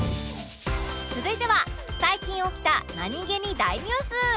続いては最近起きた何気に大ニュース